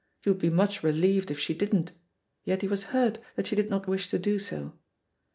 He would be much relieved if she didn't, yet he was hiui; that she did not wish to do so.